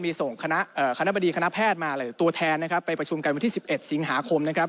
มีส่งขณะบรรดีขณะแพทย์มาหรือตัวแทนไปประชุมกันวันที่๑๑สิงหาคม